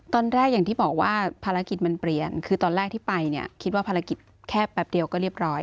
อย่างที่บอกว่าภารกิจมันเปลี่ยนคือตอนแรกที่ไปเนี่ยคิดว่าภารกิจแค่แป๊บเดียวก็เรียบร้อย